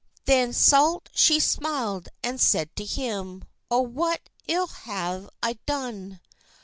Then salt she smil'd, and said to him— "Oh, what ill ha'e I done?"